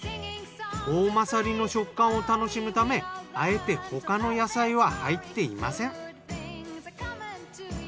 おおまさりの食感を楽しむためあえて他の野菜は入っていません。